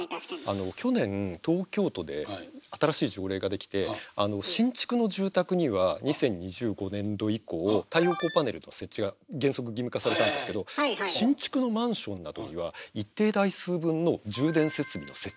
去年東京都で新しい条例が出来て新築の住宅には２０２５年度以降太陽光パネルの設置が原則義務化されたんですけど新築のマンションなどには一定台数分のなるほど！